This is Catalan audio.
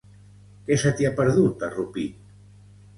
Què se t'hi ha perdut, a Rupit?